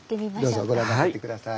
どうぞご覧になっていって下さい。